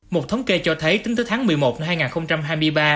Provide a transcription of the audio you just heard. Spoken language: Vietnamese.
một thống kê cho thấy tính tới tháng một mươi một năm hai nghìn hai mươi ba